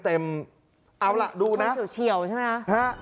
เอาล่ะดูนะเฉียวใช่ไหมคะ